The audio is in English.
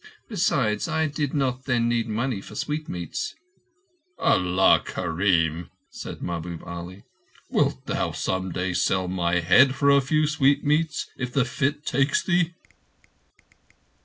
Besides, I did not then need money for sweetmeats." "Allah kerim!" said Mahbub Ah. "Wilt thou some day sell my head for a few sweetmeats if the fit takes thee?"